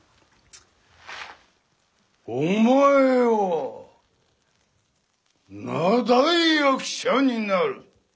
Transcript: お前は名題役者になる。